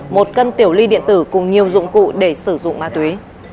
một cân tiểu ly điện tử cùng nhiều dụng cụ để sử dụng ma túy